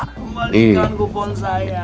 kembalikan kupon saya